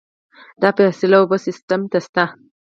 د فاضله اوبو سیستم شته؟